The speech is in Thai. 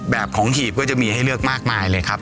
แบบของหีบก็จะมีให้เลือกมากมายเลยครับ